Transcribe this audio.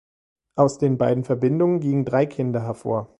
Aus den beiden Verbindungen gingen drei Kinder hervor.